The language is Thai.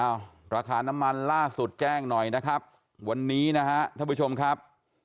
ราคาน้ำมันล่าสุดแจ้งหน่อยนะครับวันนี้นะฮะท่านผู้ชมครับ